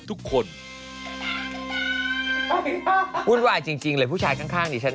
อุ่นวายจริงเลยผู้ชายข้างดิฉัน